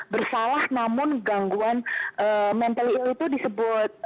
bersalah namun gangguan mental ill itu disebut